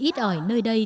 ít ỏi nơi đây